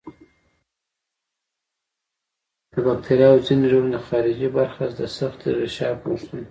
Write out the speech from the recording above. د باکتریاوو ځینې ډولونه خارجي برخه د سختې غشا پوښي.